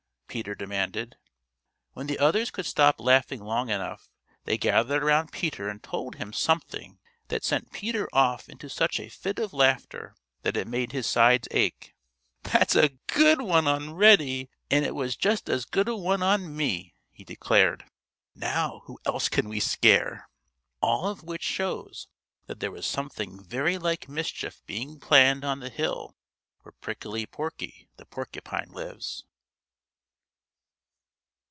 Peter demanded. When the others could stop laughing long enough, they gathered around Peter and told him something that sent Peter off into such a fit of laughter that it made his sides ache, "That's a good one on Reddy, and it was just as good a one on me," he declared. "Now who else can we scare?" All of which shows that there was something very like mischief being planned on the hill where Prickly Porky the Porcupine lives.